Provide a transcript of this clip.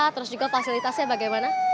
terus juga fasilitasnya bagaimana